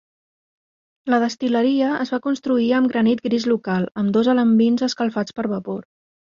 La destil·leria es va construir amb granit gris local, amb dos alambins escalfats per vapor.